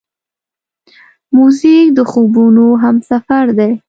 موزیک د خوبونو همسفر دی.